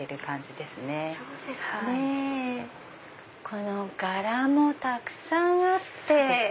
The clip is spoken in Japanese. この柄もたくさんあって。